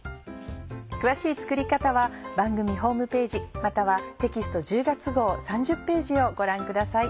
詳しい作り方は番組ホームページまたはテキスト１０月号３０ページをご覧ください。